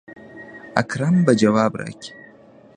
اکرم به جواب راکي.